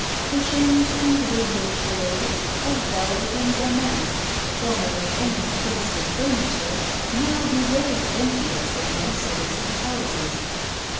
Cushens, and window pillows of velvet and damaske, formerly only princely furniture, now be very plenteous in most citizens' houses."